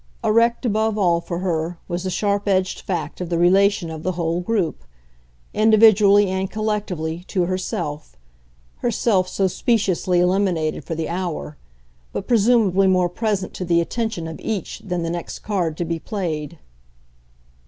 Erect above all for her was the sharp edged fact of the relation of the whole group, individually and collectively, to herself herself so speciously eliminated for the hour, but presumably more present to the attention of each than the next card to be played.